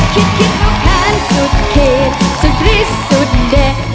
คิดคิดแล้วแค้นสุดเขตสุดริสุดแดก